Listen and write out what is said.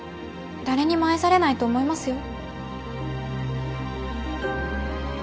誰にも愛されないと思いますよ